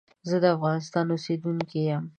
زه دافغانستان اوسیدونکی یم.